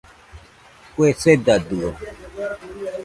Kue sedadio.